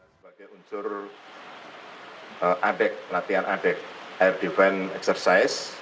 sebagai unsur adek latihan adek air defense exercise